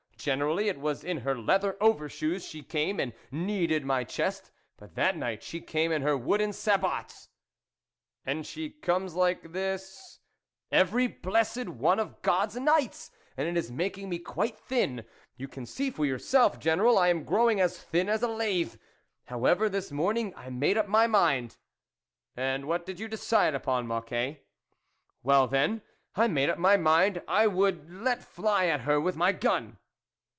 Generally, it was in her leather overshoes she came and kneaded my chest, but that night she came in her wooden sabots." " And she comes like this ....?" "Every blessed one of God's nights, and it is making me quite thin ; you can see for yourself, General, I am growing as thin as a lath. However, this morning I made up my mind." .. v. " And what did you decide upon, Moc quet ?"" Well, then, I made up my mind I would let fly at her with my gun."